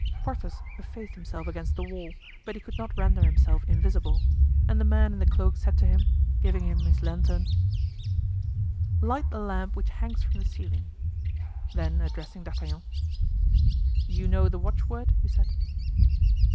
Porthos effaced himself against the wall, but he could not render himself invisible; and the man in the cloak said to him, giving him his lantern: "Light the lamp which hangs from the ceiling." Then addressing D'Artagnan: "You know the watchword?" he said.